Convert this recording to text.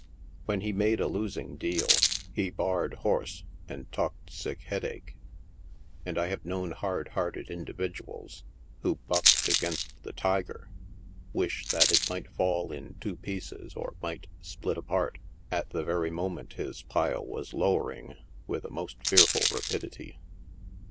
When he made a losing deal, he barr'd horse and talked sick headache, and I have known hard hearted individuals, who bucked against the " tiger," wish that it might fall in two pieces or might split apart, at the very moment his pile was lower ing with the most fearful rapidity.